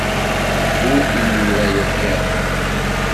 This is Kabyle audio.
Ddu imir-a ya kan.